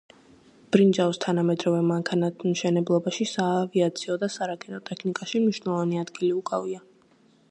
ბრინჯაოს თანამედროვე მანქანათმშენებლობაში, საავიაციო და სარაკეტო ტექნიკაში მნიშვნელოვანი ადგილი უკავია.